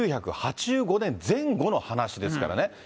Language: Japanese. １９８５年前後の話ですからね。